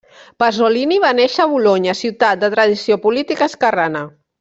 Pasolini va néixer a Bolonya, ciutat de tradició política esquerrana.